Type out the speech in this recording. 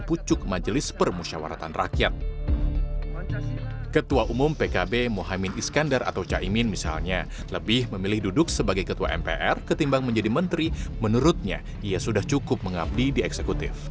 ketua umum pkb mohaimin iskandar atau caimin misalnya lebih memilih duduk sebagai ketua mpr ketimbang menjadi menteri menurutnya ia sudah cukup mengabdi di eksekutif